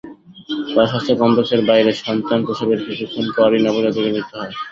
পরে স্বাস্থ্য কমপ্লেক্সের বাইরে সন্তান প্রসবের কিছুক্ষণ পরই নবজাতকের মৃত্যু হয়।